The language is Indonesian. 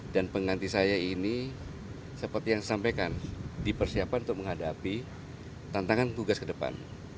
dan pengganti saya ini seperti yang saya sampaikan dipersiapkan untuk menghadapi tantangan tugas ke depan